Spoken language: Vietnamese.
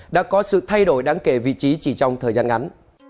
đã có sự thay đổi đáng kể vị trí chỉ trong thời gian ngắn